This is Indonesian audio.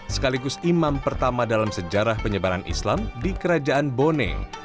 sekaligus imam pertama dalam sejarah penyebaran islam di kerajaan bone